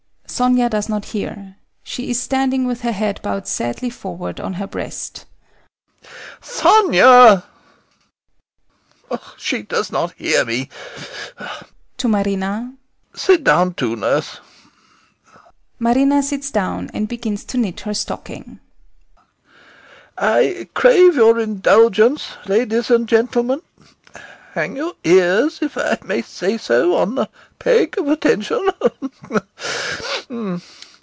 [SONIA does not hear. She is standing with her head bowed sadly forward on her breast] Sonia! [A pause] She does not hear me. [To MARINA] Sit down too, nurse. [MARINA sits down and begins to knit her stocking] I crave your indulgence, ladies and gentlemen; hang your ears, if I may say so, on the peg of attention.